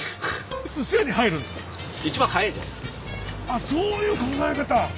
あっそういう考え方！